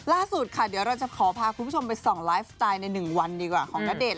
ล่าสุดค่ะเดี๋ยวเราจะขอพาคุณผู้ชมไปส่องไลฟ์สไตล์ใน๑วันดีกว่าของณเดชน